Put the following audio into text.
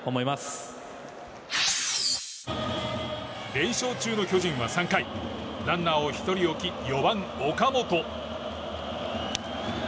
連勝中の巨人は３回ランナーを１人置き４番、岡本。